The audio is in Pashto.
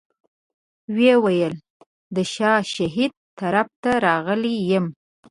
ویې ویل د شاه شهید طرف ته راغلی یم.